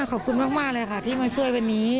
ขอบคุณมากเลยค่ะที่มาช่วยวันนี้